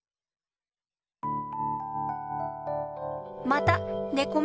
またねこ